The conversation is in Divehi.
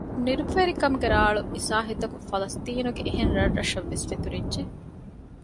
ނިރުބަވެރިކަމުގެ ރާޅު އިސާހިތަކު ފަލަސްޠީނުގެ އެހެން ރަށްރަށަށް ވެސް ފެތުރިއްޖެ